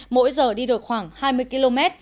mỗi giờ đi được khoảng hai mươi km